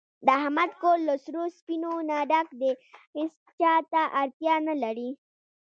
د احمد کور له سرو سپینو نه ډک دی، هېچاته اړتیا نه لري.